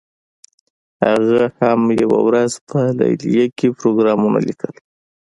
هغه هم یوه ورځ په لیلیه کې پروګرامونه لیکل